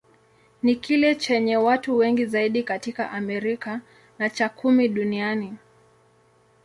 Ni kile chenye watu wengi zaidi katika Amerika, na cha kumi duniani.